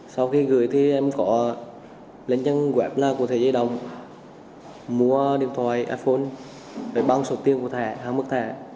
sau khi gửi thì em có lên trang web là của thế giới đồng mua điện thoại iphone để băng số tiền của thẻ hàng mức thẻ